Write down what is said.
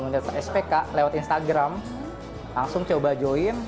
kebetulan pas tau ada komunitas spk lewat instagram langsung coba join